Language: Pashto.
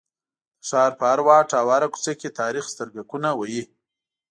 د ښار په هر واټ او هره کوڅه کې تاریخ سترګکونه وهي.